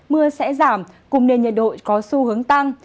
mưa sẽ giảm cùng nền nhiệt độ có xu hướng tăng